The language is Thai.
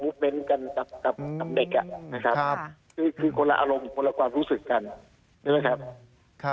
คือคือคนละอารมณ์คนละครวามรู้สึกกัน